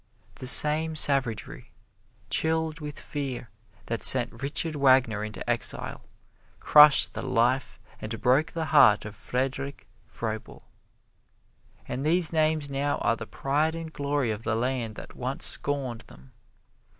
The same savagery, chilled with fear, that sent Richard Wagner into exile, crushed the life and broke the heart of Friedrich Froebel. But these names now are the pride and glory of the land that once scorned them.